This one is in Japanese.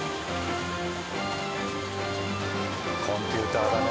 コンピューターだね。